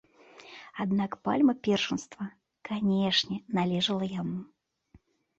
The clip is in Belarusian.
Аднак пальма першынства, канешне, належала яму.